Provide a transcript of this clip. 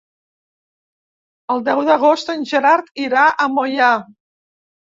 El deu d'agost en Gerard irà a Moià.